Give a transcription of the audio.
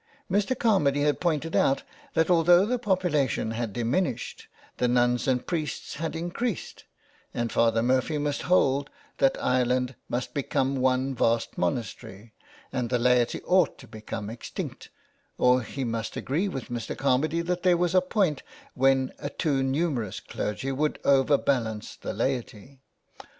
Mr. Carmady had pointed out that although the population had diminished the nuns and priests had increased, and Father Murphy must hold that Ireland must become one vast monastery, and the laity ought to become extinct, or he must agree with Mr. Carmady that there was a point when a too numerous clergy would over balance the laity.